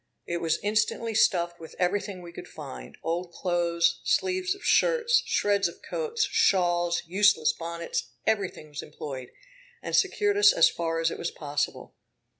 It was instantly stuffed with everything we could find: old clothes, sleeves of shirts, shreds of coats, shawls, useless bonnets, everything was employed, and secured us as far as it was possible.